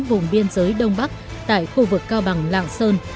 vùng biên giới đông bắc tại khu vực cao bằng lạng sơn